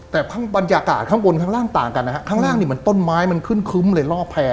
แต่ข้างบรรยากาศข้างบนข้างล่างต่างกันนะฮะข้างล่างนี่เหมือนต้นไม้มันขึ้นครึ้มเลยล่อแพร